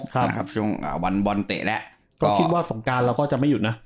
ครับนะครับช่วงอ่าวันบอลเตะแล้วก็คิดว่าสงการเราก็จะไม่หยุดนะ